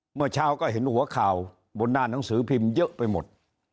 เมื่อเช้าก็เห็นหัวข่าวบนหน้าหนังสือพิมพ์เยอะไปหมด